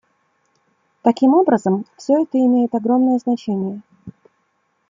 Таким образом, все это имеет огромное значение.